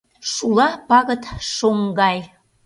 Шула пагыт шоҥ гай.